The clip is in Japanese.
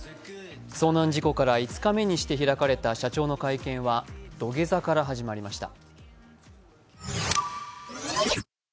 遭難事故から５日目にして開かれた社長の会見は土下座から始まりました。